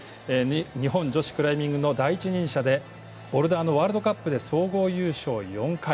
日本女子クライミングの第一人者でボルダーのワールドカップで総合優勝４回。